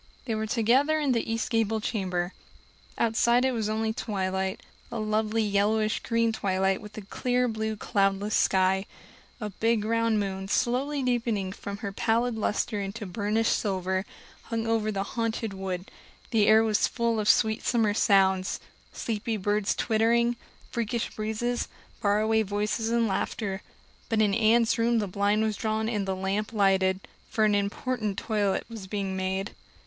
They were together in the east gable chamber; outside it was only twilight a lovely yellowish green twilight with a clear blue cloudless sky. A big round moon, slowly deepening from her pallid luster into burnished silver, hung over the Haunted Wood; the air was full of sweet summer sounds sleepy birds twittering, freakish breezes, faraway voices and laughter. But in Anne's room the blind was drawn and the lamp lighted, for an important toilet was being made.